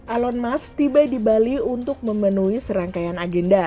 elon musk tiba di bali untuk memenuhi serangkaian agenda